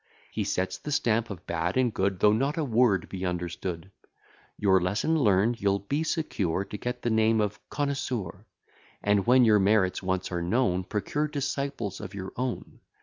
He sets the stamp of bad and good, Though not a word be understood. Your lesson learn'd, you'll be secure To get the name of connoisseur: And, when your merits once are known, Procure disciples of your own.